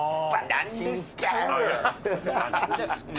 「何ですかぁ」